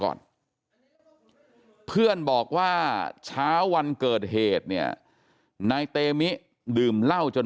ก่อนเพื่อนบอกว่าเช้าวันเกิดเหตุเนี่ยนายเตมิดื่มเหล้าจน